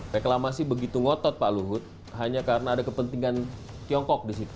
reklamasi begitu ngotot pak luhut hanya karena ada kepentingan tiongkok disitu